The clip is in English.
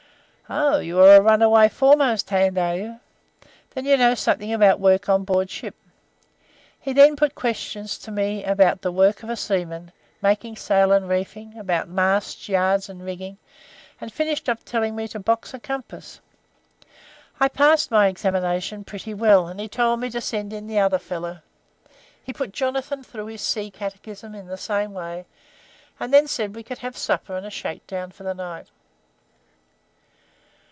"'Oh, you are a runaway foremast hand are you? Then you know something about work on board ship.' He then put questions to me about the work of a seaman, making sail, and reefing, about masts, yards, and rigging, and finished by telling me to box a compass. I passed my examination pretty well, and he told me to send in the other fellow. He put Jonathan through his sea catechism in the same way, and then said we could have supper and a shake down for the night.